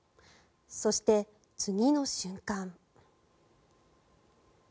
そして、次の瞬間。